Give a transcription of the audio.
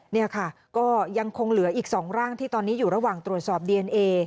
นี่ค่ะก็ยังคงเหลืออีก๒ร่างที่ตอนนี้อยู่ระหว่างตรวจสอบดีเอนเอ